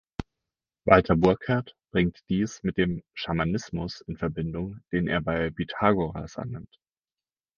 Walter Burkert bringt dies mit dem „Schamanismus“ in Verbindung, den er bei Pythagoras annimmt.